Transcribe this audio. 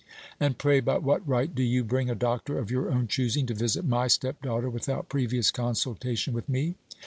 "And pray by what right do you bring a doctor of your own choosing to visit my stepdaughter without previous consultation with me?"